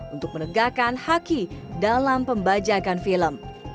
untuk menegakkan haki dalam pembajakan film